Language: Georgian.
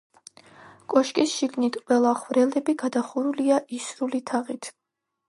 კოშკის შიგნით ყველა ხვრელობი გადახურულია ისრული თაღით.